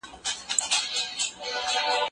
پوهه بې له عمله ګټه نه لري.